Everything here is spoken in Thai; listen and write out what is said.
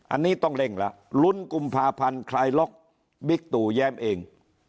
อันนี้ต้องเร่งแล้วลุ้นกุมภาพันธ์คลายล็อกบิ๊กตู่แย้มเอง